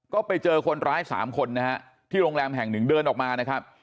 ก็ไปเจอคนร้าย๓คนนะฮะที่โรงแรมแห่งหนึ่งเดินออกมานะครับ